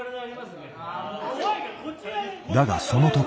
だがその時。